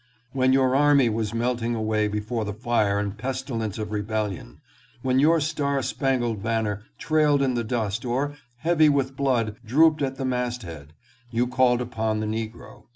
When your army was melting away before the fire and pestilence of rebellion ; when your star spangled banner trailed in the dust or, heavy with blood, drooped at the mast head, you called upon the negro.